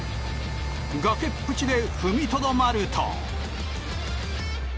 崖っ淵で踏みとどまると。